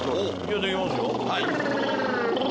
できますよ。